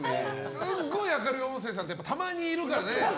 すごい明るい音声さんってたまにいるからね。